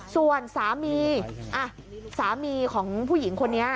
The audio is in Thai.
ส่วนสามีสามีของผู้หญิงคนนี้